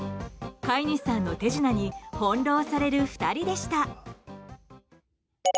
飼い主さんの手品に翻弄される２人でした。